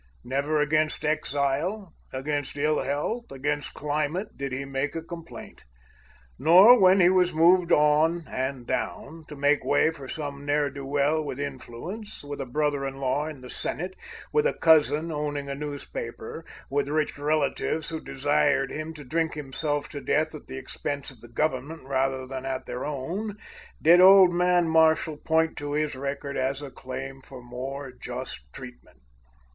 Never against exile, against ill health, against climate did he make complaint. Nor when he was moved on and down to make way for some ne'er do well with influence, with a brother in law in the Senate, with a cousin owning a newspaper, with rich relatives who desired him to drink himself to death at the expense of the government rather than at their own, did old man Marshall point to his record as a claim for more just treatment.